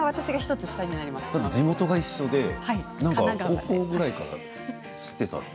地元が一緒で高校ぐらいから知っていて。